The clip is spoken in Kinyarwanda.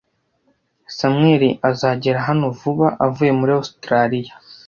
Samuel azagera hano vuba avuye muri Ositaraliya.